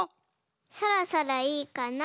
そろそろいいかな。